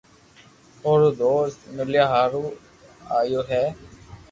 او رو دوست مليا ھارو آيو ھي